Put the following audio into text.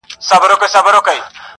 نه له خلوته څخه شېخ، نه له مغانه خیام.!